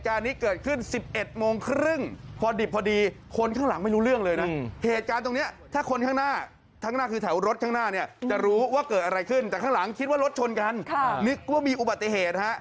คิดว่ารถชนกันค่ะนึกว่ามีอุบัติเหตุฮะ